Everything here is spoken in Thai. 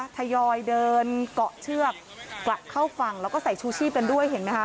ทยอยเดินเกาะเชือกกลับเข้าฝั่งแล้วก็ใส่ชูชีพกันด้วยเห็นไหมคะ